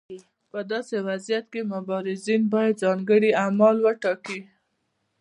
په داسې وضعیت کې مبارزین باید ځانګړي اعمال وټاکي.